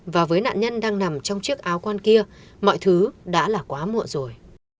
và với nạn nhân đang nằm trong chiếc áo quan kia mọi thứ đã là quá mùi